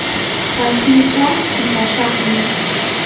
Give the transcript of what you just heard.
wasiita pitsashaqmi.